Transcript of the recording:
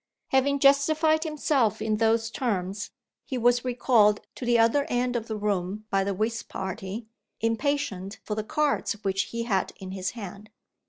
Having justified himself in those terms, he was recalled to the other end of the room by the whist party, impatient for the cards which he had in his hand.